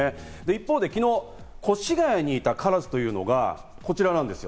一方で昨日、越谷にいたカラスというのがこちらなんです。